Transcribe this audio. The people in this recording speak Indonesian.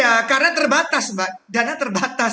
ya karena terbatas mbak dana terbatas